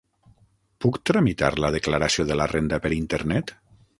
Puc tramitar la declaració de la renda per internet?